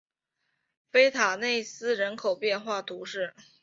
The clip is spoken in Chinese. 丰塔内斯人口变化图示